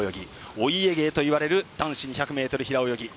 お家芸といわれる男子２００ｍ平泳ぎ。